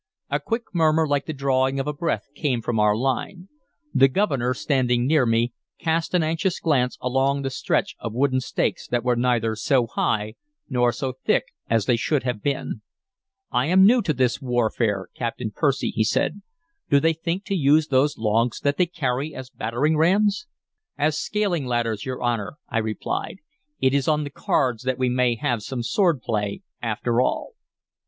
A quick murmur like the drawing of a breath came from our line. The Governor, standing near me, cast an anxious glance along the stretch of wooden stakes that were neither so high nor so thick as they should have been. "I am new to this warfare, Captain Percy," he said. "Do they think to use those logs that they carry as battering rams?" "As scaling ladders, your Honor," I replied. "It is on the cards that we may have some sword play, after all."